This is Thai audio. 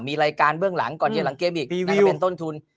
มีรายการเบื้องหลังก่อนเย็นหลังเกมอีกนะครับเป็นต้นทุน